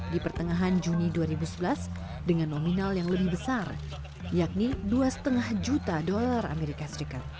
di pertengahan juni dua ribu sebelas dengan nominal yang lebih besar yakni dua lima juta dolar as